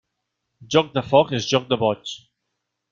Joc de foc és joc de boig.